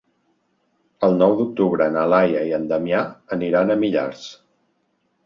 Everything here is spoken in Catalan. El nou d'octubre na Laia i en Damià aniran a Millars.